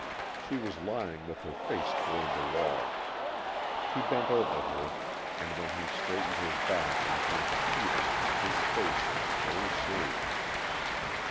She was lying with her face toward the wall. He bent over her, and when he straightened his back and turned to Peter his face was very serious.